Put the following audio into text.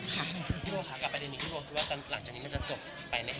พี่โบค่ะกลับไปเรื่องนี้หรือว่าหลังจากนี้มันจะจบไปไหมค่ะ